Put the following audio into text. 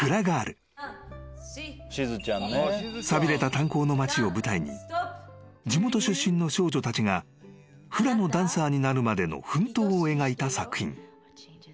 ［寂れた炭鉱の町を舞台に地元出身の少女たちがフラのダンサーになるまでの奮闘を描いた作品］